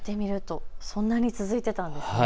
そんなに続いていたんですね。